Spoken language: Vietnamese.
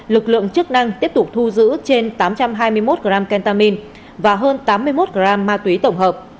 lực lượng chức năng tiếp tục thu giữ trên tám trăm hai mươi một gram kentamine và hơn tám mươi một gram ma túy tổng hợp